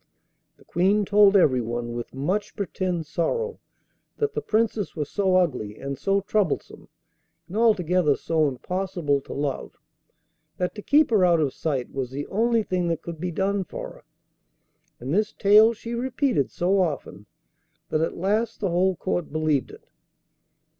The Queen told everyone, with much pretended sorrow, that the Princess was so ugly, and so troublesome, and altogether so impossible to love, that to keep her out of sight was the only thing that could be done for her. And this tale she repeated so often, that at last the whole court believed it.